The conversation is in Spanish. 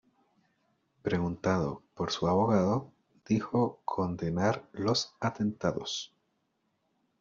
Preguntado por su abogado dijo condenar los atentados.